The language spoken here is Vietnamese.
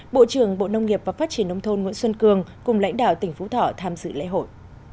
bộ trưởng bộ nông nghiệp và phát triển nông thôn nguyễn xuân cường cùng lãnh đạo tỉnh phú thỏ tham dự lễ hội